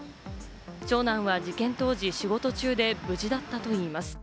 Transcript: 長男は事件当時、仕事中で無事だったといいます。